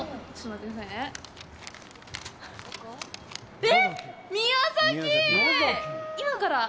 えっ！宮崎！